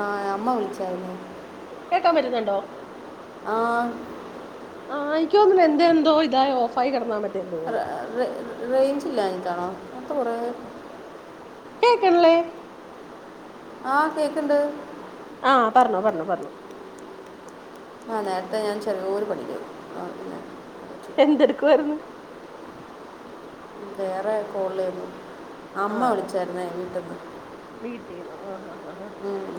ആഹ് അമ്മ വിളിച്ചാരുന്നു കേക്കാൻ പറ്റുന്നുണ്ടോ ആഹ് ആഹ് എനിക്ക് തോന്നണ് എൻ്റെ എന്തോ ഇതായി ഓഫായി കിടന്നാന്ന് റ് റേ റേഞ്ച് ഇല്ലാഞ്ഞിട്ടാണോ നേരത്തെ കൊറേ കേക്ക്ൺല്ലേ ആഹ് കേ‌ക്കി‌ണ്ട് ആഹ് പറഞ്ഞോ പറഞ്ഞോ പറഞ്ഞോ ആഹ് നേരത്തെ ഞാൻ ചെറിയോര് പണീലേനി [unintelligible] എന്തെടുക്കുവായിര്ന്ന് വേറേ കോളിലായ്രുന്നു അമ്മ ആണോ വിളിച്ചാര്ന്നേ വീട്ട്ന്ന് വീട്ടീന്നോ ആഹ് ഹാ ഹാ ഹാ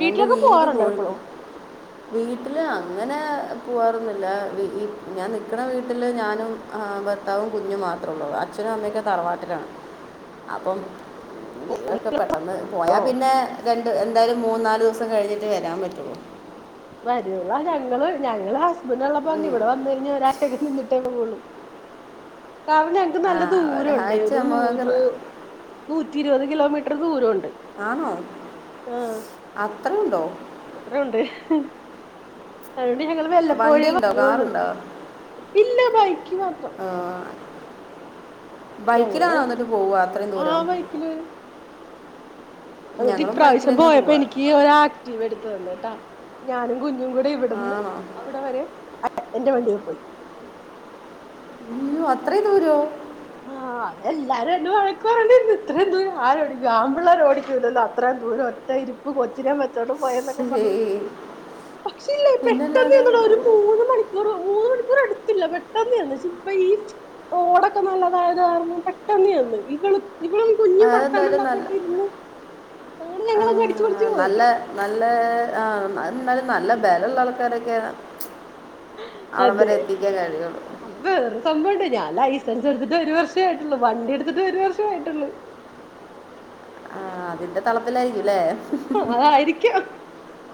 വീട്ടിലൊക്കെ പോവാറുണ്ടോ എപ്പളും. വീട്ടില് അങ്ങനെ പോവാറൊന്നുവില്ല വി ഇ ഞാൻ നിക്കണ വീട്ടില് ഞാനും ആഹ് ഭർത്താവും കുഞ്ഞും മാത്രള്ളൂ അച്ഛനും അമ്മയൊക്കെ തറവാട്ടിലാണ് അപ്പം വീടൊക്കെ പെട്ടെന്ന് പോയാ ഓ പിന്നെ രണ്ട് എന്തായാലും മൂന്നാല് ദിവസം കഴിഞ്ഞിട്ടെ വരാൻ പറ്റുവൊള്ളു. വരൊള്ളു അഹ് ഞങ്ങള് ഞങ്ങള് ഹസ്ബൻന്റൊള്ളപ്പന്ന ഇവിടെ വന്ന് കഴിഞ്ഞ് ഒരാ ഴ്‌ച്ചേക്ക നിന്നിട്ടേ പോവുള്ളൂ കാരണം ഞ ക്ക്‌ ആ, നല്ല ദൂരോണ്ട് ഒരാഴ്ച ഒരു നമുക്ക് നൂറ് റ- നൂറ്റി ഇരുപത് കിലോമീറ്റർ ദൂരോണ്ട്. ആണോ അത്രേയുണ്ടോ അത്രേം ഉണ്ട് അതോണ്ട് ഞങ്ങള് വണ്ടി വല്ലപ്പോഴേ ഉണ്ടോ വരോള്ളു കാറുണ്ടോ ഇല്ല ബൈക്കി മാത്രം. ഞങ്ങള് ബൈക്കിലാണോ ബൈക്കില് എന്നിട്ട് പോവുക അത്രയും ദൂരം ആഹ് ബൈക്കില് വരും അതോണ്ട് ഞങ്ങളും ബൈക്കിൽ ഇപ്രാവശ്യം തന്നെ പോയപ്പോ പോവുക എനിക്ക് ഈ ഒര് ആക്റ്റീവ എടുത്തു തന്നൂട്ടാ ഞാനും കുഞ്ഞും കൂടെ ഇവിടന്ന് ആണോ അ വിടെ വരെ [unintelligible] എന്റെ വണ്ടീ പോയി. അയ്യോ അത്രേ ദൂരോ. ആഹ് അവരെല്ലാരും എന്നെ വഴക്ക്‌ പറഞ്ഞിരുന്നു ഇത്രേം ദൂരം ആരോടിക്കും ആൺ പിള്ളേര് ഓടിക്കൂല്ലല്ലോ അത്രയും ദൂരോ റ്റ ഇരിപ്പ് കൊച്ചിനേം വെച്ചോണ്ട് പോയന്നെക്കെ ശരി പറഞ്ഞു പക്ഷേല്ലേ പെട്ടന്ന് പിന്നല്ലാതെ ഞങ്ങള് ഒരു അത് മൂന്ന് മണി [unintelligible] മൂന്നു മണിക്കൂറെടുത്തില്ല പെട്ടെന്ന് ചെന്ന് ശെ ഇപ്പ ഈ റോഡ ക്കെ നല്ലതായത് കാരണം പെട്ടെന്ന് ചെന്ന് ഈ വെളു ഈ വെളു കുഞ്ഞ് വർത്താനം അതെന്തായാലും നല്ല പറഞ്ഞക്കെ ഇരുന്ന് അങ്ങനെ ഞങ്ങളങ്ങ് അടിച്ചു പൊളിച്ചു പോയി നല്ലേ ആഹ് എന്നാലും എന്നാലും നല്ല ബലൊള്ള ആൾക്കാരൊക്കെ അവ്ടെം അതെ വരെ എത്തിക്കാൻ കഴിഞ്ഞൊള്ളു അല്ല വേറൊരു സംഭവോണ്ടേ ഞാൻ ലൈസൻസ് എടുത്തിട്ട് ഒരു വർഷേ ആയിട്ടുള്ളു വണ്ടി എടുത്തിട്ട് ഒരു വർഷേ ആയിട്ടുള്ളു. ആഹ് അതിന്റെ തെളപ്പിലായിരിക്കുല്ലേ [unintelligible] അത് ആയിരിക്കാം.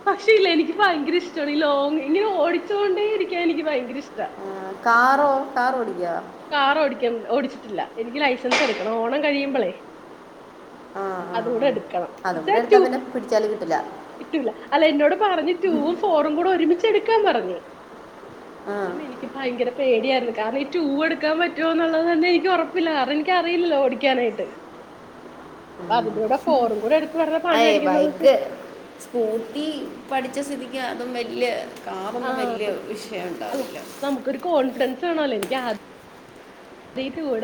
പക്ഷേ ഇല്ലേ എനിക്ക് ഭയങ്കര ഇഷ്ട്ടാണ് ഈ ലോങ് ഇങ്ങനെ ഓടിച്ചോണ്ടേ ഇരിക്കാൻ എനിക്ക് ഭയങ്കര ഇഷ്ട്ടാ. ആഹ് കാറോ കാറ് ഓടിക്കോ. കാർ ഓടിക്ക ഓടിച്ചിട്ടില്ല എനിക്ക് ലൈസൻസ് എടുക്കണം ഓണം കഴിയുമ്പളേ ആ ആ ആ. അതൂടെ എടുക്കണം അതും എന്ന്ച്ചാ കൂടെ ടൂ എടുത്താൽ പിന്നെ പിടിച്ചാൽ കിട്ടില്ല കിട്ടൂല അല്ല എന്നോട് പറഞ്ഞ് ടൂവും ഫോറും ങ്കുട ഒരുമിച്ച് എടുക്കാൻ പറഞ്ഞ് അപ്പം എനിക്ക് ഭയങ്കര പേടിയായിരുന്നു കാരണം ഈ ടൂ എടു ക്കാൻ പറ്റുവോ എന്നുള്ളത് തന്നെ എനിക്ക് ഒറപ്പില്ല കാരണം എനിക്കറിയില്ലല്ലോ ഓടിക്കാനായിട്ട് അപ്പൊ അതും ങ്കുട ഫോറും ങ്കുട എടുത്ത് വെറുതെ പണി അയ് മേടിക്കണ്ടന്ന് വെച്ച് ബൈക്ക് സ്കൂട്ടി പഠിച്ച സ്ഥിതിക്ക് അതും വല്യ കാറൊന്നും വല്ല്യ വിഷയം ഒണ്ടാവില്ല. [unintelligible] ഒരു കോൺഫിഡൻസ് വേണല്ലോ എനിക്ക് ആ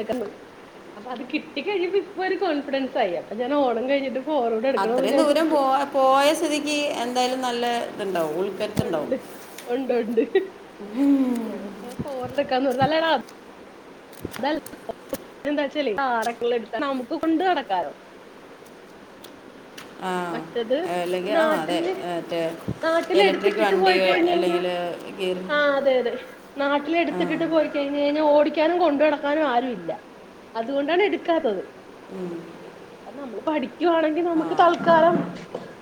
[unintelligible] അപ്പ അത് കിട്ടി കഴിഞ്ഞപ്പോ ഇപ്പ ഒരു കോൻഫിഡൻസായി അപ്പ ഞാന് ഓണം കഴിഞ്ഞിട്ട് ഫോറൂടെ എടുക്കണോന്ന് അത്രയും ദൂരം വിചാരിച്ചിരിക്കാ പോ പോയ സ്ഥിതിക്ക് എന്തായാലും നല്ല ഇത്ണ്ടാവും ഓൽ ഒണ്ട് ഒണ്ട് ഒണ്ട് ഞാനിപ്പോ ഫോർ എടുക്കാന്ന് [unintelligible] [unintelligible] എന്താച്ചാലേ [unintelligible] നമുക്ക് കൊണ്ട് നടക്കാലോ ആഹ് മറ്റത് അത് അല്ലെങ്കി ആഹ് അതെ മറ്റേ നാട്ടിൽ ഇലക്ട്രിക് എടുത്തിട്ടിട്ട് വണ്ടി പോയി കഴിഞ്ഞു കഴിഞ്ഞാൽ അല്ലെങ്കിൽ ഗിയർ ആഹ് അതെ അതെ നാട്ടില് ആ എടുത്തിട്ടിട്ട് പോയി കഴിഞ്ഞ് കഴിഞ്ഞാ ഓടിക്കാനും കൊണ്ട് നടക്കാനും ആരും ഇല്ല അതു കൊണ്ടാണ് എടുക്കാത്തത് ഉം അത് നമ്മള് പഠിക്കുവാണെങ്കി നമുക്ക് തൽക്കാലം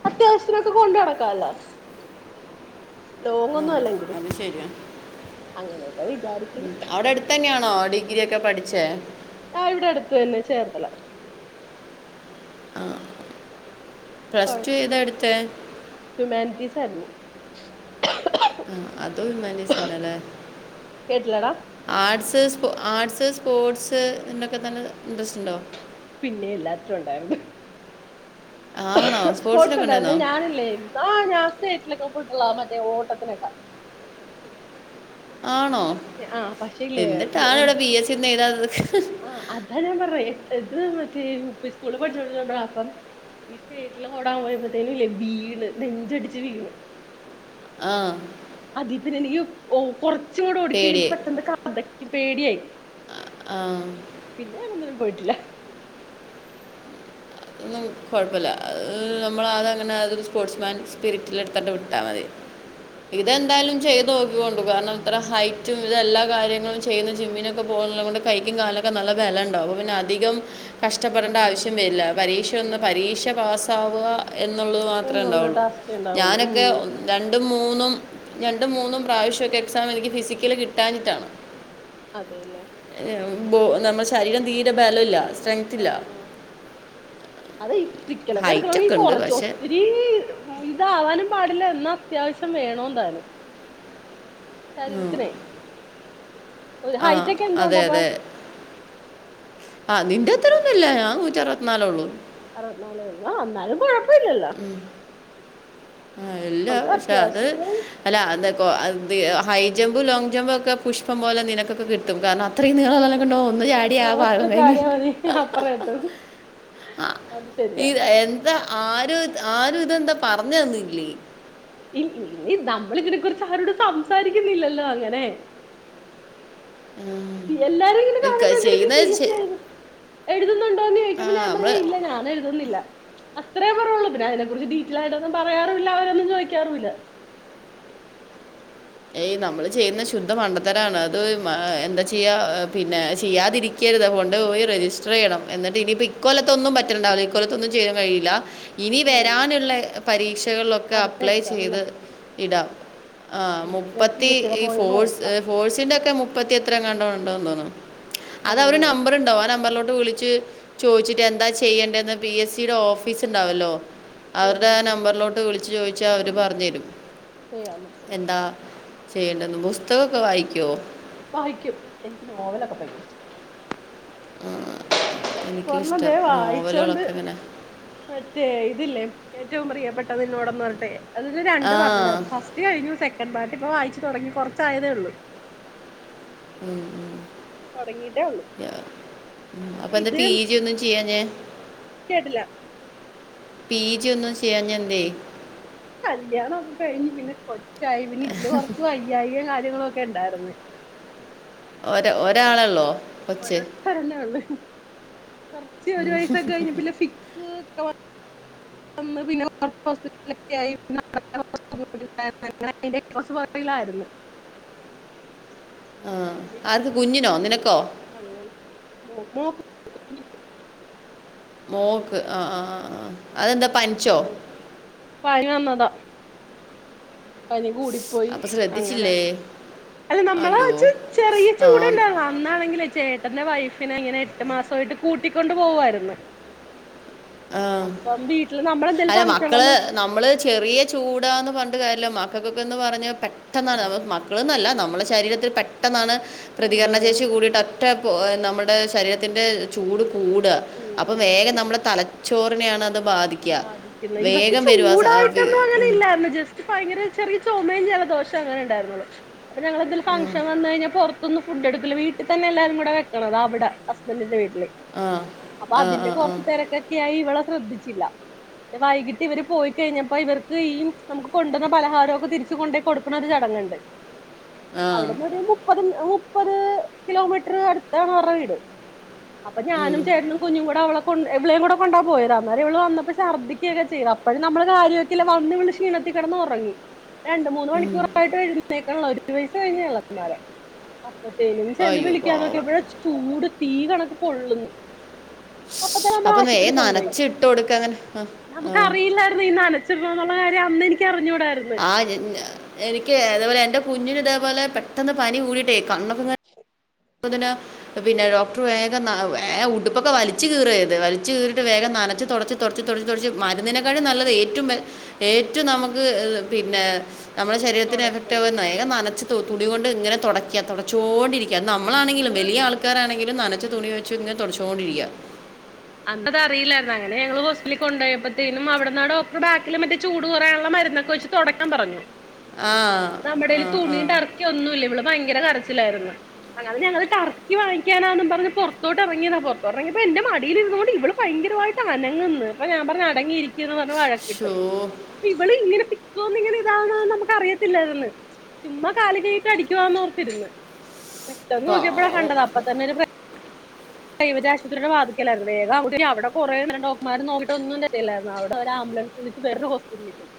അത്യാവശ്യത്തിനൊക്കെ കൊണ്ട് നടക്കാല്ലോ ആ, ലോങ്ങൊന്നും അല്ലെങ്കിലും അത് ശരിയാ അങ്ങനെയൊക്കെ വിചാരിക്കണ് ഉം. അവിടെ അടുത്ത് തന്നെയാണോ ഡിഗ്രി ഒക്കെ പഠിച്ചേ ആഹ് ഇവിടെ അടുത്തു തന്നെ ചേർത്തല ആഹ് പ്ലസ് ടു ഏതാ എടുത്തെ ഹ്യുമാനിറ്റീസ് ആരുന്നു ആഹ് അതും ഹ്യുമാനിറ്റീസ് തന്നല്ലേ കേട്ടില്ലടാ ആർട്സ് സ്പോ ആർട്സ് സ്പോർട്സ് ഇണ്ടൊക്കെ തന്നെ ഇൻട്രസ്റ്റ് ഉണ്ടോ പിന്നെ എല്ലാത്തിലും ഒണ്ടായിരുന്നു ആണോ സ്പോർട്സ് സ്പോർട്സിലൊക്കെ ഒണ്ടായിരുന്നു ഉണ്ടായിരുന്നോ ഞാനില്ലേ ആഹ് ഞാൻ സ്റ്റേറ്റിലൊക്കെ പോയിട്ടുള്ളതാ മറ്റേ ഓട്ടത്തിനക്ക ആണോ ആ പക്ഷേ ഇല്ലേ എന്നിട്ടാണോ ഇവിടെ പി എസ് സി ഒന്നും എഴുതാതെ നിക്ക് ആഹ് അതാ ഞാൻ പറഞ്ഞെ ഇത് മറ്റേ യു പി സ്കൂളിൽ പഠിച്ചോടപ്പളാ ഈ സ്റ്റേറ്റില ഓടാൻ പോയ്പത്തേകും ഇല്ലേ വീണ് നെഞ്ചടിച്ച് വീണ് ആഹ് അത പിന്നെ എനിക്ക് കൊറ കൊറച്ച് കൂടെ ഓടിക്ക പേടി പെട്ടന്ന് കെതക്കും പേടിയായി ആ, പിന്നെ ഞാൻ ഒന്നിനും പോയിട്ടില്ല ഉം കുഴപ്പമില്ല പിന്നെ നമ്മള അതങ്ങനെ അത് സ്പോർട്സ്മാൻ സ്പിരിറ്റിൽ എടുത്ത വിട്ടാൽ മതി ഇതെന്തായാലും ചെയ്ത ചെയ്തു നോക്കിക്കോളൂ ആ കാരണം ഇത്ര ഹൈ ചറ്റും ഇത എല്ലാ കാര്യങ്ങളും ചെയ്യുന്നു ജിമ്മിനൊക്കെ പോക കൊണ്ട് കൈക്കും കാലൊക്കെ നല്ല ബലം ഉണ്ടാവും അപ്പം പിന്നെ അധികം കഷ്ടപ്പെടേണ്ട ഉണ്ടാവും ആവശ്യം വരില്ല പരീക്ഷ ഒന്ന് ഉണ്ടാവും പരീക്ഷ പാസ ആവുക എന്നുള്ളത് മാത്രമേ എന്നുള്ള ഉണ്ടാവുള്ളൂ ടാസ്കേ ഉണ്ടാവുള്ളൂ ഉം ഞാനൊക്കെ രണ്ടും മൂന്നും രണ്ടും മൂന്നും പ്രാവശ്യമൊക്കെ എക്സാം എനിക്ക് ഫിസിക്കൽ കിട്ടാഞ്ഞിട്ടാണ് അതെല്ലേ നമ്മുടെ ശരീരം തീരെ ബലമില്ല സ്ട്രെങ്ത്ത് ആ ഇല്ല ആ അതെ ഈ ഫിസിക്കൽ ഒക്കെ ഹൈറ്റ് എടുക്കണമെങ്കിൽ ഉണ്ട് കുറച്ച് പക്ഷെ ഒത്തിരി ഈ ഇതാവാനും പാടില്ല എന്നാ അത്യാവശ്യം വേണന്താലും [inaudible] ശരീരത്തിനെ ഒരു ആഹ് ഹൈറ്റ് ഒക്കെ അതെ എന്തുകൊണ്ടപ്പ അതെ ആഹ് നിന്റെ അത്ര ഒന്നുമില്ല ഞാൻ നൂറ്റ അറുപത്തിനാലേ ഉള്ളൂ അറുപത്തിനാല് ഉള്ള എന്നാലും കുഴപ്പമില്ലല്ലോ ആഹ് ഇല്ല അത് പക്ഷെ അത് അത്യാവശ്യത്തിന് അല്ല അത് ഹൈ ജമ്പ് ലോങ്ങ് ജമ്പും ഒക്കെ പുഷ്പം പോലെ നിനക്കൊക്കെ കിട്ടും ട്ടും കാരണം അത്രയും നീള കിട്ടും വല്ലൊക്കെണ്ടോ ഒന്ന് ചാടിയ ആഹ് പാ കഴിഞ്ഞ് അത്രേന്നെ ഈ എന്താ ആഹ് ആരും ഇതെന്താ പറഞ്ഞന്നില്ലേ ഇ നമ്മള ഇതിനെക്കുറിച്ച് ആരോട് സംസാരിക്കുന്നില്ലല്ലോ അങ്ങനെ ഉം. എല്ലാരും ഇങ്ങനെ ഇത് ക- കാണുമ്പോ ചെയ്യുന്നത് ശ- എഴുതുന്നുണ്ടോ എന്ന് ആ ചോദിക്കുമ്പോ ഞാൻ പറയാ നമ്മൾ ഇല്ല ഞാൻ എഴുതുന്നില്ല അത്രേ പറയൽ ഇല്ലു പിന്നെ അതിനെ കുറിച്ച് ഡീറ്റെയിൽ ആയിട്ടൊന്നും പറയാറില്ല അവരൊന്നും ചോദിക്കാറുമില്ല ഏയ് നമ്മൾ ചെയ്യുന്ന ശുദ്ധ മണ്ടത്തരാണ് അത് എന്താ ചെയ്യാ പിന്നെ ചെയ്യാതിരിക്ക രുത് കൊണ്ട് പോയി രജിസ്റ്റർ ചെയ്യണം എന്നിട്ട് ഇനിപ്പോ ഇക്കൊലത്തൊന്നുണ്ടാവില്ല ഇക്കലത്തൊന്നും ചെയ്യാൻ കഴിയില്ല ഇനി ഉം വരാനുള്ള പരീക്ഷകളിലൊക്കെ അടുത്ത അപ്ലൈ എക്സാം അല്ലേ ചെയ്ത് ഇടാം എന്തായാലും ഞാൻ പി മുപ്പത്തി എസ് സിയുടെ ഈ പോയി ഫോഴ്സ് നോക്കാം ഫോഴ്സിന്റെ ഒക്കെ ഇപ്പത്തി എത്രങ്ങണ്ടോ ഉണ്ടോന്ന് തോന്നും അത് അവരു അതെല്ലേ നമ്പറുണ്ടാവും ആഹ് നമ്പറിലോട്ട് വിളിച്ച് ചോദിച്ചിട്ട് എന്താ ചെയ്യണ്ടന്ന് പി എസ് സിയുടെ ഓഫീസ് ഉണ്ടാവല്ലോ ഉം അവരുടെ ഉം ആഹ് ഉം ഉം നമ്പറിലോട്ട് വിളിച്ചു ചോദിച്ചാ അവര് പറഞ്ഞു തരും ചെയ്യാൻ പറ്റും അല്ലേ എന്താ ചെയ്യണ്ടുന്നു പുസ്തകമൊക്കെ വായിക്കുവോ വായിക്കും എനക്ക് നോവലൊക്കെ ഭയങ്കര ഇഷ്ടാ ഒരെണ്ണം എനിക്കിഷ്ടം ദേ വായിച്ചോണ്ട് നോവലുകളൊക്കെ എങ്ങനെ മറ്റേ ഇതില്ലേ ഏറ്റവും പ്രിയപ്പെട്ടത് നിന്നോടന്ന് പറഞ്ഞട്ടെ അതില് ആ രണ്ട് പാർട്ട് ഇ കഴിഞ്ഞു സെക്കൻഡ് പാർട്ടിപ്പോൾ വായിച്ച് തുടങ്ങി കുറച്ചായതേള്ളൂ ഉം തുടങ്ങിയിട്ടേ ഉള്ളൂ ഉം അപ്പൊ എന്താ ഇത് പി ജി ഒന്നും ചെയ്യാഞാ കേട്ടില്ല പീജി ഒന്നും ചെയ്യാഞ്ഞ എന്തേ കല്യാണം ഒക്ക കഴിഞ്ഞ് പിന്നെ കൊച്ചായി പിന്നെ ഇതിന് കൊറച്ച് വയ്യായിയും കാര്യങ്ങളും ഒക്കെ ഉണ്ടായിന്ന് ഒരാ ഒരാളല്ലോ കൊച്ച് ഒരൊറ്റൊരെണ്ണ ഉള്ളൂ കൊറച്ച് ഒരു വയസ്സൊക്കെ കഴിഞ്ഞപ്പെ ഫിക് സ് പിന്നെ [unintelligible] [unintelligible] കൊർച്ച് പൊറകിലായിര്ന്ന് ആഹ് ആർക്ക് കുഞ്ഞിനോ നിനക്കോ അങ്ങെനെ [unintelligible] മോക്ക് ആഹ് ആഹ് ആഹ് ആഹ് അതെന്താ പൻ ഉം പനി വന്നതാ പനി കൂടിപ്പോയി അപ്പം അങ്ങനെ ശ്രദ്ധിച്ചില്ലേ അല്ല നമ്മളെ അയ്യോ കൊച്ച് ചെറിയ ആ ചൂടേണ്ടായ്ര്ന്ന് അ അന്നാണെങ്കിലേ ചേട്ടെന്റെ വൈഫിനെ ഇങ്ങെനെ എട്ട് മാസാവായിട്ട് കൂട്ടിക്കൊണ്ട് പോവായ്ര്ന്ന് ആ അപ്പം വീട്ടില് നമ്മെളെന്തേലും അല്ല ഫംഗ്‌ഷം മക്കള് വന്നാ നമ്മള് ചെറിയ ചൂടാന്ന് പർഞ്ഞ്ട്ട് കാര്യല്ല മക്കൾക്കൊക്കെന്ന് പറഞ്ഞാ പെട്ടെന്നാണ് [unintelligible] മക്കള്ന്നല്ല നമ്മെളെ ശരീരത്തിൽ പെട്ടെന്നാണ് ചൂട് പ്രതികരണ ശേഷി കൂടിയിട്ട ട്ട പൊ നമ്മെടെ ശരീരത്തിന്റെ ചൂട് കൂടാ അപ്പൊ കൂടണ് വേഗം നമ്മെടെ തല ചോറിനെയാണ് അത് ബാധി ബാധിക്കുന്നെ ഇവക്ക് വി- ചൂടായിട്ടൊന്നും അങ്ങെനെ ഉം. ഇല്ലാര്ന്നു ജെസ് റ്റ് ഭയെങ്കെരെ ചെറിയ ചൊമെയും ജലദോഷവും അങ്ങെനെ ണ്ടായ്ര്ന്നാെള്ളു അപ്പൊ ഞങ്ങളെന്തേലും ഫങ്ഷൻ വന്ന് കഴിഞ്ഞാ പാെർ ത്തൊന്നും ഫുഡ്ഡെടുക്കുല്ല വീട്ട് തന്നെ എല്ലാരും കൂടെ വെക്ക്ണം താ അവിടാ ഹസ്ബന്റിന്റെ വീട്ടില് ആ അപ്പൊ ആ അതിന്റെ ആ കൊർച്ച് ആ തെരെക്കെക്കെ ആയി ഇവെളെ ശ്രദ്ധിച്ചില്ല ന്നെ വൈകിട്ട് ഇവര് പോയി കഴിഞ്ഞപ്പോ ഇവർക്ക് ഈ നമുക്ക് കൊണ്ടുവന്ന പലഹാരവാെക്കെ തിരിച്ചു കൊണ്ടാേയ് കൊട്ക്ക്ണൊര് ചടങ്ങ്ണ്ട് ഉ അവിടുന്നാെര് മുപ്പത് മുപ്പത് കിലോമീറ്റർ അട്ത്താണ് അവറ്ടെ വീട് അപ്പൊ ഞാനും ചേട്ടെനും കുഞ്ഞും കൂടെ അവളെ കൊൺ ഇവളെയും കൂടെ കൊണ്ടാ പോയെത് അന്നേരം ഇവെള് വന്നപ്പോ ചർദിക്കെയെക്കെ ചെയ്തു അപ്പഴും നമ്മള് കാര്യമാക്കീല്ലാ വന്ന് വള് ക്ഷീണത്തി കെടന്നാെറങ്ങി രണ്ട് മൂന്ന് മണിക്കൂറായിട്ടും എഴ്ന്നേക്ക്ണ്ല്ല ഒരു വയസ് കഴിഞ്ഞ് അപസ്മാരം അപ്പത്തേനും ചെന്ന് അയ്യോ വിളിക്കാൻ പാവം നോക്കിയപ്പഴാ ചൂട് തീ കണക്ക് പൊള്ള്ന്ന് അപ്പം വേം നനച്ച് ഇട്ട് കൊട്ക്കങ്ങെനെ നമുക്ക് അറിയില്ലായ്ര്ന്നു ഈ നനച്ച്ടണംന്നുള്ള കാര്യം അന്നെനിക്കറിഞ്ഞൂടായ്ര്ന്ന് ആഹ് എനിക്ക് അതേപോലെ എന്റെ കുഞ്ഞിന് ഇതേപോലെ പെട്ടെന്ന് പനി കൂടിയിട്ടേ കണ്ണാെക്കെങ്ങെ ശരി പ്പതിന് പിന്നെ ഡോക്ടർ വേഗം ന വേം ഉട്പ്പൊക്കെ വലിച്ച് കീറായ്തെ വലിച്ച് കീറിട്ട് വേഗം നനച്ച് താെടെച്ച് താെടെച്ച് താെടെച്ച് താെടെച്ച് മരുന്നിനെക്കാൾലും നല്ലെത് ഏറ്റവും ബെ ഏറ്റവും നമക്ക് പിന്നെ നമ്മളെ ശരീത്തിന് എഫെക്റ്റാവ തുടയ്ക്കണം വേഗം നനച്ച് തു തുണികൊണ്ട് ഇങ്ങെനെ താെടെക്ക്യ താെടച്ചാേണ്ടിരിക്ക്യാ നമ്മളാണെങ്കിലും അന്ന് വെലിയ ആൾക്കാരാണെങ്കിലും നനച്ച തുണി വെച്ച് ഇങ്ങെനെ താെടച്ചോണ്ടിരിക്ക്യാ അത് അറിയില്ലായിര്ന്നു അങ്ങെനെ ഞങ്ങള് ഹോസ്പിലി കൊണ്ടയപ്പത്തേനും അവിട് ന്നാ ഡാേക്ട്‌റ് ബാക്കില് മറ്റേ ചൂട് കാെറയാൻള്ള മര്ന്നൊക്കെ വെച്ച് തൊടക്കാൻ പറഞ്ഞു നമ്മടേല് തുണിണ്ടാർ ഒന്നുല്ല ഇവള് ഭയെങ്കെര കരച്ചിലായിര്ന്ന് അങ്ങെനെ ഞങ്ങള് ടർക്കി വങ്ങിക്കാനാന്നും പർഞ്ഞ് പാെർത്തോട്ടെറെങ്ങിയതാ പാെർത്തോട്ടെറെങ്ങിയപ്പോ എന്റെ മ ടീല് ഇര്ന്നോണ്ട് ഇവെള് ഭയങ്കരവായിട്ട് അനങ്ങ്ന്ന് അപ്പൊ ഞാൻ പറഞ്ഞ് അടങ്ങിയിരിക്ക്ന്ന് പർഞ്ഞ് വഴക്കിട്ട് ഷോ ഇവള് ഇങ്ങെനെ ഫിക്സ്കോമിങ്ങെനെ ഇതാണ്ന്ന് നമുക്ക് അറിയത്തില്ലായിര്ന്ന് ചുമ്മാ കാല് കയ്യിട്ട് അടിക്കുവാന്നാേർത്തിര്ന്ന് പെട്ടെന്ന് നോക്കിയപ്പഴാ പാവം കണ്ടത് അപ്പ തന്നെ ഒര് പ്രെ പ്രെയ്വെറ്റ് ആശുപത്രിടെ വാത്ക്കലായ്ര്ന്നു വേഗം അവിടെ കൊറേ നേരം ഡോക്ടർമാർ നോക്കീട്ടാെന്നും [unintelligible] ല്ലായ്ര്ന്നു അവിടെ ഒരാബുലൻസ് വിളിച്ച് വേറാെര് ഹോസ്പിറ്റലിൽ പോയി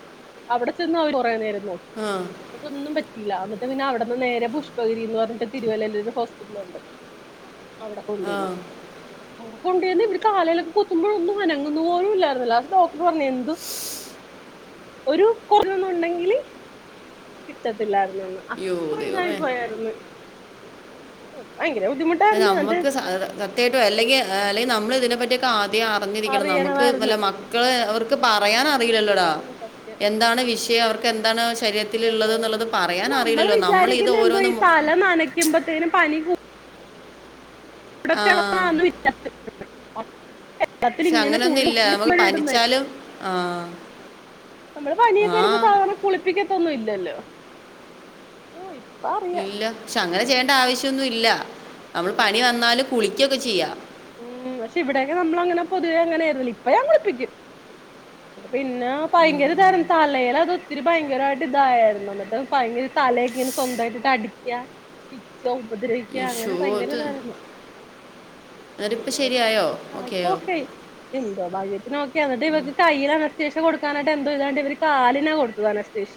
അവിടെ ചെന്ന് അവ കാെറേ നേരം നോക്കി ആഹ് ന്നട്ടൊന്നും പറ്റയില്ല അന്നിട്ട് പിന്നെ അവിടന്ന് നേരെ പുഷ്പഗിരീന്ന് പർഞ്ഞിട്ട് തിര്‌വല്ലേലൊരു ഹോസ്പിറ്റലുണ്ട് അവിടെ കൊണ്ട് ചെന്നു അവിടെ കൊണ്ട് ചെന്ന് ഇവെര് കാലേലൊക്കെ കുത്തുമ്പോഴാെന്നും അനങ്ങുന്നു പോലും ഇല്ലായിര്ന്നു ലാസ്റ്റ് ഡോക്ടറ് പറഞ്ഞ് എന്ത് ഒരു കൊറൊഞ്ഞൊന്നുണ്ടെങ്കില് കിട്ടത്തില്ലായിരുന്നൂന്ന് യോ അത്ര ഇതായി ദൈവമേ പോയായിര്ന്ന് ഭയെങ്കെരെ ബുദ്ധിമു നമ്മക്ക് സ സത്യായിട്ടും അല്ലെങ്കി അല്ലെങ്കി നമ്മള് ഇതിനെ പറ്റ്യൊക്കെ ആദ്യേ അന ർഞ്ഞിരിക്കണം നമ്ക്ക് അറിയണമായിരുന്നു വല്ല മ ക്കള് അവർക്ക് പറയൻറിയില്ലല്ലോടാ? ഉം സത്യം എന്താണ് വിഷയം? അവർക്ക് എന്താണ് ശരീര- ത്തിലുള്ളത് ഉള്ളത് എന്നുള്ളത് പറയാൻ അറിയില്ലല്ലോ? നമ്മൾ ഇത് ഓരോന്നും നനക്കുമ്പതീനും പനി കൂ ആ ഇവിടെത്തെന്നാന്ന് വി വെള്ളത്തിൽ പക്ഷെ ഇങ്ങനെ അങ്ങനെയൊന്നും തുണി ഇല്ല നമുക്ക് ഉക്കപ്പോഴ ഇടുന്നെ. പനിച്ചാലും ആ നമ്മള് പനിയൊക്കെ ആ വരുമ്പോ സാധാരണ കുളിപ്പിക്കത്തൊന്നും ഇല്ലല്ലോ? അറിയാം ഇല്ല, പക്ഷെ അങ്ങനെ പിന്നെ ചെയ്യേണ്ട ആവശ്യന്നുല്ല. നമ്മള് അതെ പനി വന്നല് കുളിക്കൊക്കെ ചെയ്യാം. ഉം പക്ഷെ ഇവിയൊക്കെ നമ്മള അങ്ങനെ പൊതുവേ അങ്ങനെ ആരുന്നില്ലെ, ഇപ്പൊ ഞൻ കുളി പ്പിക്കും. പിന്നെ ഭയങ്കര ധാര തലയിൽ അത് ഒത്തിരി ഭയങ്കരമായിട്ട് ഇതായായിരുന്നു. എന്നിട്ട് ഭയങ്കര തലയൊക്കെ ഇങ്ങനെ സ്വന്തായിട്ട് അടിക്കുക. ഉപദ്രഹിക്കുക അങ്ങനെ ഇഷോ ഇത് ഭയങ്കരതായിരുന്നു. ആ എന്നിട്ടിപ്പോൾ ശരിയായോ ആഹ് ഇപ്പൊ ഓക്കെയോ ഒകെ ആയി. എന്തോ ഭാഗ്യത്തി ഓക്ക, എന്നിട്ട് ഇവർക്ക് കയ്യിൽ അനസ്തേഷ കൊടുക്കാനായിട്ട് എന്തോ ഇതാണ്ട് ഇവ കാലിനാ കൊടുത്തത് അനസ്തേഷ.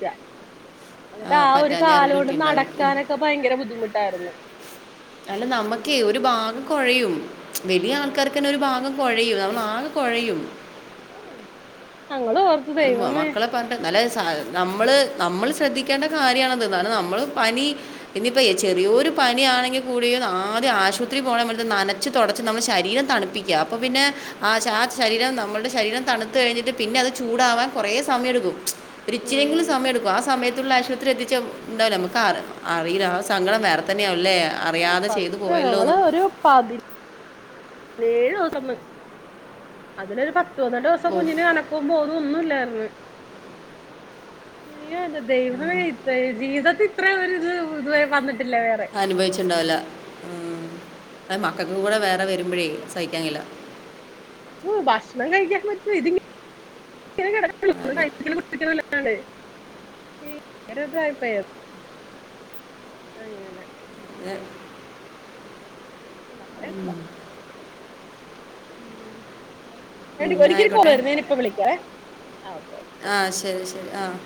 എന്നിട്ട് ആ ഒരു പറ്റാഞ്ഞാരമ്പ് കാലോണ്ട് കിട്ടിയിട്ടുണ്ടാവില്ല നടക്കാനൊക്കെ ഭയങ്കര ബുദ്ധിമുട്ടായിരുന്നു. അല്ല നമ്മക്കേ ഒരു ഭാഗം കുഴയും വലിയ ആഹ് ആൾക്കാർക്ക് തന്നെ ഒരു ഭാഗം കുഴയും നമ്മള ആകെ കുഴയും. ഞങ്ങള് വർ അത് മക്കളെ ന്നാലും അത് നമ്മള് നമ്മൾ ശ്രദ്ധിക്കേണ്ട കാര്യണത്, നമ്മള് പനി ഇനിയിപ്പോ ചെറിയൊരു പണിയണെങ്കി കൂടി ആദ്യം ആശുപത്രിൽ പോകണ സമയത്ത്, നനച്ചു തുടച്ച് നമ്മുടെ ശരീരം തണുപ്പി പ്പിക്കുക, പിന്നെ ആ ആ ശരീരം നമ്മുടെ ശരിരം തണു കഴിഞ്ഞിട്ട് പിന്നെ അത് ചൂടാവാൻ കുറെ സമയടുക്കും, ഒരിച്ചിരിങ്കിലും ഉം സമയെടുക്കും. ആ സമയത്തുള്ള ആശുപത്രി അത്ര എത്തിച്ച ഉണ്ടാവില്ല നമുക്ക് അറിയില്ല ആ സങ്കടം വേറെതെന്നെ തന്നെയ ആവല്ലേ? അറിയാതെ ചെയ്തു പോയല്ലോന്ന്. ഉപ്പാദി ഏഴ് ദിവസംന്ന്, അതിനൊരു പത്ത് പന്ത്രണ്ട് ദിവസം ഓ കുഞ്ഞിന് അന ഇപ്പ പോതും ഒന്നുല്ലായിരുന്നു. ദൈവമേ, ജീവിതത്തി ഇത്ര ഒര് ഇത് ഇതുവരെ വന്നിട്ടില്ല വേറെ അനുഭവിച്ചിണ്ടാവില്ല. മക്കൾക്ക് കൂടെ വേറെ വരുമ്പോഴേ സഹിക്കാൻ കഴിയില്ല. ഹു ഭക്ഷണം കഴിക്കാൻ പറ്റ അത് ഇ [unintelligible] അങ്ങനെ. ഏ, ഉം ഉം, ടി എന്നാ ഒരിക്കരു കോൾ ആയിക്കോട്ടെ വരുന്നു ഞാനിപ്പ വിളിക്കേവെ ഓ ഓക്ക ശരി അ ശരി ആഹ്